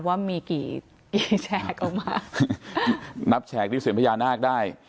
ว่ามีกี่แฉกออกมานับแฉกที่เสียงพญานาคได้